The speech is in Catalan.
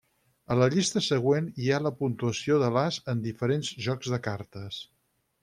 A la llista següent hi ha la puntuació de l'as en diferents jocs de cartes.